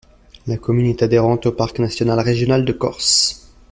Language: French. La commune est adhérente au parc naturel régional de Corse.